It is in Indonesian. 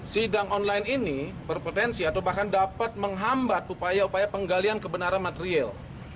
sidang online ini berpotensi atau bahkan dapat menghambat upaya upaya penggalian kebenaran material